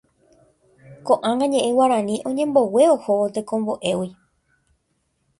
Koʼág̃a ñeʼẽ Guarani oñembogue ohóvo tekomboʼégui.